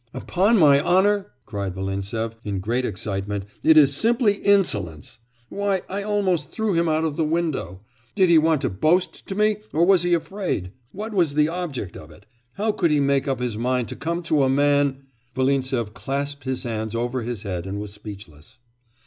'Upon my honour!' cried Volintsev, in great excitement, 'it is simply insolence! Why, I almost threw him out of the window. Did he want to boast to me or was he afraid? What was the object of it? How could he make up his mind to come to a man ?' Volintsev clasped his hands over his head and was speechless.